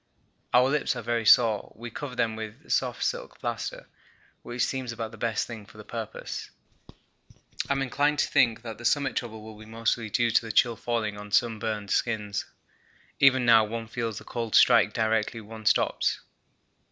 Our lips are very sore. We cover them with the soft silk plaster which seems about the best thing for the purpose. I'm inclined to think that the summit trouble will be mostly due to the chill falling on sunburned skins. Even now one feels the cold strike directly one stops.